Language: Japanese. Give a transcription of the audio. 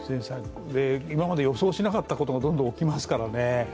今まで予想しなかったことがどんどん起きますからね。